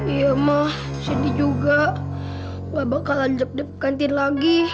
iya ma sandy juga nggak bakalan jep jep gantiin lagi